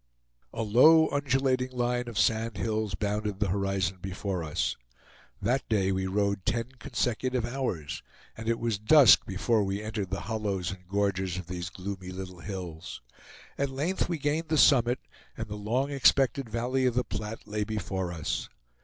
A low undulating line of sand hills bounded the horizon before us. That day we rode ten consecutive hours, and it was dusk before we entered the hollows and gorges of these gloomy little hills. At length we gained the summit, and the long expected valley of the Platte lay before us.